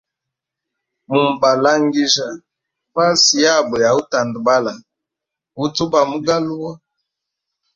Mumu balangija fasi yabo yautandabala utu bamu galuwa.